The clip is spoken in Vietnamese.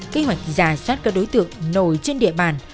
kế hoạch giả soát các đối tượng nổi trên địa bàn